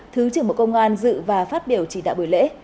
thứ trưởng bộ công an dự và phát biểu chỉ đạo buổi lễ